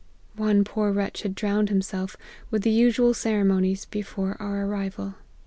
One poor wretch had drowned himself, with the usual ceremonies, before our arrival.